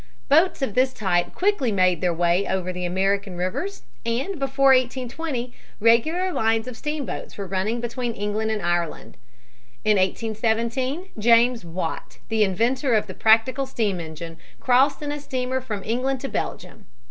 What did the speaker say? Boats of this type quickly made their way over the American rivers and before 1820 regular lines of steamboats were running between England and Ireland. In 1817 James Watt, the inventor of the practical steam engine, crossed in a steamer from England to Belgium.